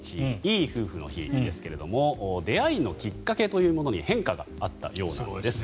いい夫婦の日ですけれども出会いのきっかけというものに変化があったようなんです。